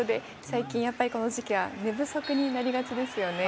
最近やっぱりこの時期は寝不足になりがちですよね。